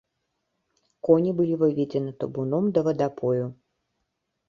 Коні былі выведзены табуном да вадапою.